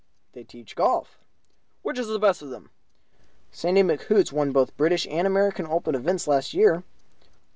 "They teach golf." "Which is the best of them?" "Sandy McHoots won both British and American Open events last year."